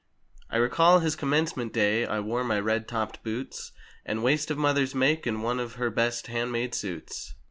I recall his commencement day—I wore my red topped boots, And waist of mother's make and one of her best handmade suits.